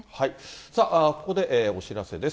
さあ、ここでお知らせです。